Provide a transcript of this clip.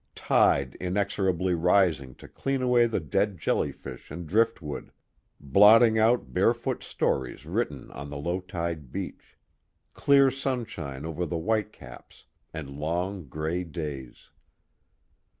Tide inexorably rising to clean away the dead jellyfish and driftwood, blotting out barefoot stories written on the low tide beach; clear sunshine over the whitecaps; and long gray days.